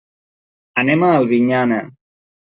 Anem a Albinyana.